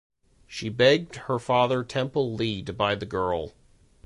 She begged her father Temple Lea to buy the girl.